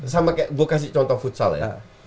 sama kayak gue kasih contoh futsal ya